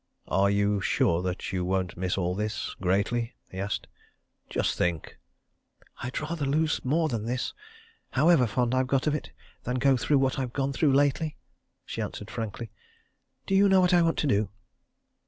"Are you sure that you won't miss all this greatly?" he asked. "Just think!" "I'd rather lose more than this, however fond I'd got of it, than go through what I've gone through lately," she answered frankly. "Do you know what I want to do?"